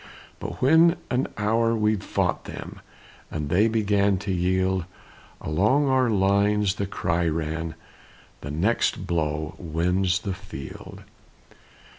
But when an hour we'd fought them, And they began to yield, Along our lines the cry ran, "The next blow wins the field!"